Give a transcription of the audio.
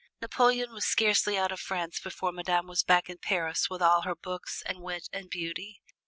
Napoleon was scarcely out of France before Madame was back in Paris with all her books and wit and beauty.